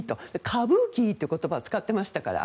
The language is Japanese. カブキという言葉を使っていましたから。